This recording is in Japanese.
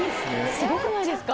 すごくないですか？